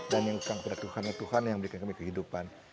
dan yang utang pada tuhan tuhan yang memberikan kami kehidupan